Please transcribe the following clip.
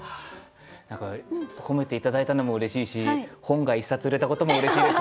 何か褒めて頂いたのもうれしいし本が１冊売れたこともうれしいです。